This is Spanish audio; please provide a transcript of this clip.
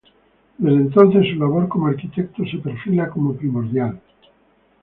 Desde entonces su labor como arquitecto se perfila como primordial.